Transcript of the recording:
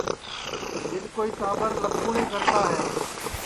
جِد کوئی ٽاٻرَ لپکُﯡنیں کرتا ہے